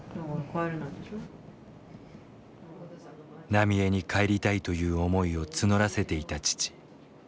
浪江に帰りたいという思いを募らせていた父。